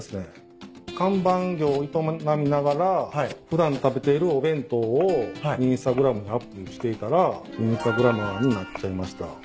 看板業営みながら普段食べているお弁当をＩｎｓｔａｇｒａｍにアップしていたらインスタグラマーになっちゃいました。